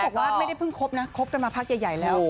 บอกว่าไม่ได้เพิ่งคบนะคบกันมาพักใหญ่แล้ว